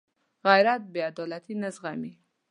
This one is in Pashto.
غیرت بېعدالتي نه زغمي